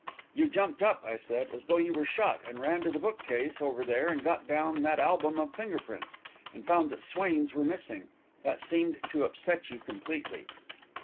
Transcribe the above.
"You jumped up," I said, "as though you were shot, and ran to the book case over there and got down that album of finger prints, and found that Swain's were missing. That seemed to upset you completely."